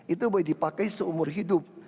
itu boleh dipakai seumur hidup